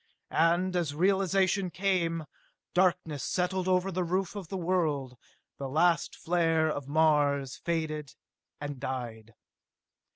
And as realization came, darkness settled over the roof of the world; the last flare of Mars faded and died.